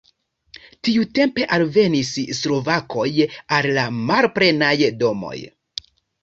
Tiutempe alvenis slovakoj al la malplenaj domoj.